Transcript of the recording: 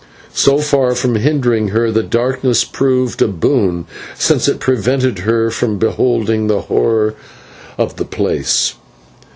So far from hindering her, the darkness proved a boon, since it prevented her from beholding the horror of the place.